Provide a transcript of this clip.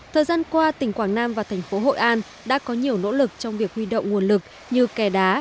thời gian qua tỉnh quảng nam và thành phố hội an đã có nhiều nỗ lực trong việc huy động nguồn lực như kè đá